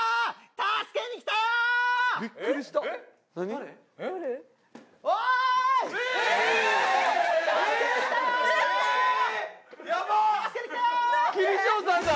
助けに来たよ！